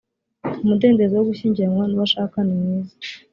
umudendezo wo gushyingiranwa nuwo ashaka nimwiza.